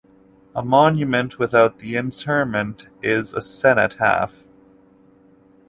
A monument without the interment is a cenotaph.